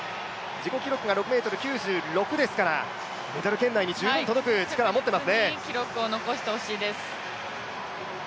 自己記録が６ｍ９６ですからメダル圏内に十分届く実力を持っていますねいい記録を残してほしいです。